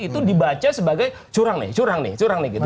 itu dibaca sebagai curang nih curang nih curang nih gitu